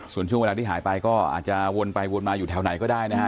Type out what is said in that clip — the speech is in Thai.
ส่วนช่วงเวลาที่หายไปก็อาจจะวนไปวนมาอยู่แถวไหนก็ได้นะฮะ